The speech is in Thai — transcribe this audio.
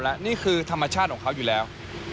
และนี่คือธรรมชาติของเขาอยู่แล้ว